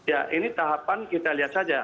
ya ini tahapan kita lihat saja